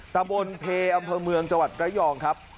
ตะบนเพย์อำเภอเมืองจวัดกระย่องครับ